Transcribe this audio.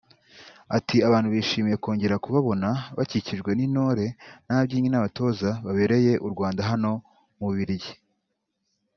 Ati “Abantu bishimiye kongera kubababona bakikijwe n’intore n’ababyinnyi batoza babereye u Rwanda hano mu Bubiligi